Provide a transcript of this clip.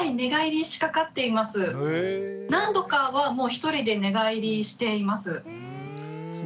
何度かはもう一人で寝返りしています。